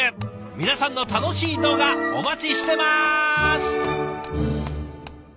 皆さんの楽しい動画お待ちしてます！